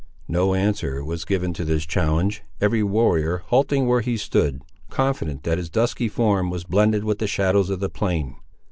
No answer was given to this challenge, every warrior halting where he stood, confident that his dusky form was blended with the shadows of the plain.